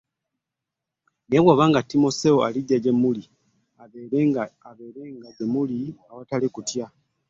Naye oba nga Timoseewo alijja, mulabe abeerenga gye muli awatali kutya.